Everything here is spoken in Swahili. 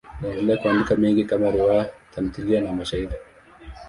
Aliendelea kuandika mengi kama riwaya, tamthiliya na mashairi.